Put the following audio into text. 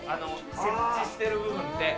接地してる部分って。